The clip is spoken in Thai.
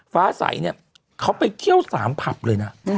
ฟ้าใสเนี่ยเขาไปเที่ยว๓ผับเลยนะ